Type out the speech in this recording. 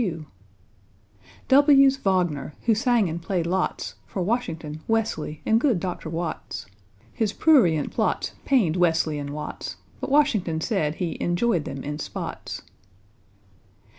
_ =W='s =W=agner, who sang and played lots for =W=ashington, =W=esley, and good Doctor =W=atts. His prurient plots pained =W=esley and =W=atts, But =W=ashington said he "enjoyed them in spots."